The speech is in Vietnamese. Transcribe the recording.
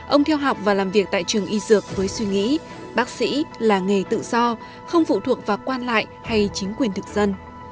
ông theo học và làm việc tại trường y dược với suy nghĩ bác sĩ là nghề tự do không phụ thuộc vào quan lại hay chính quyền thực dân